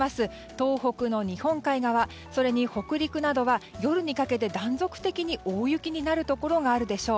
東北の日本海側それに北陸などは夜にかけて断続的に大雪になるところがあるでしょう。